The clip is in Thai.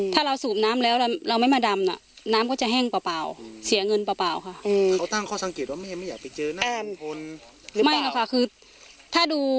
ถ้าเราสูบน้ำแล้วเราไม่มาดำน่ะน้ำก็จะแห้งเปล่าเสียเงินเปล่าค่ะคือถ้าดู